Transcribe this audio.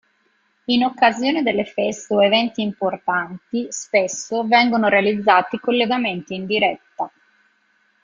In occasione delle feste o eventi importanti, spesso, vengono realizzati collegamenti in diretta.